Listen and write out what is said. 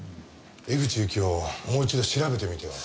江口ゆきをもう一度調べてみては？